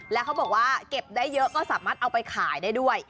แล้วเขาบอกว่าเก็บได้เยอะก็สามารถเอาไปขายได้ด้วย